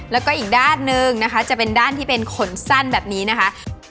แล้วก็อีกด้านหนึ่งนะคะจะเป็นด้านที่เป็นขนสั้นแบบนี้นะคะ